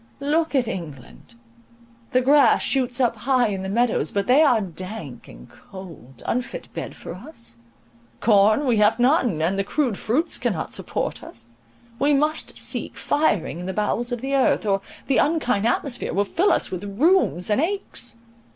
Look at England! the grass shoots up high in the meadows; but they are dank and cold, unfit bed for us. Corn we have none, and the crude fruits cannot support us. We must seek firing in the bowels of the earth, or the unkind atmosphere will fill us with rheums and aches.